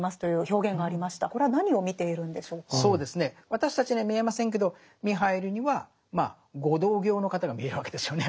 私たちには見えませんけどミハイルにはご同業の方が見えるわけですよね